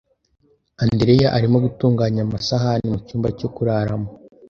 Andereya arimo gutunganya amasahani mu cyumba cyo kuraramo.